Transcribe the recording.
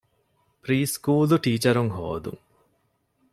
ޕްރީސުކޫލު ޓީޗަރުން ހޯދުން